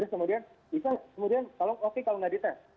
kemudian kalau nggak dites